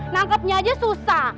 nangkepnya aja susah